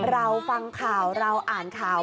เราฟังข่าวเราอ่านข่าว